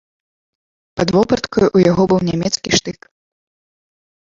Пад вопраткаю ў яго быў нямецкі штык.